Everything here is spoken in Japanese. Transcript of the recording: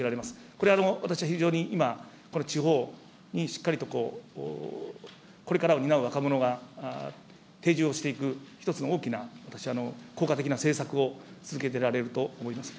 これも私、非常に今、この地方にしっかりと、これからを担う若者が定住をしていく、一つの大きな私、効果的な政策を続けてられると思います。